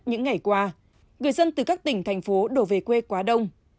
những ngày qua người dân từ các tỉnh thành phố đổ về quê quá đông